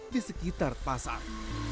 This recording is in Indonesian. di sekitar pasar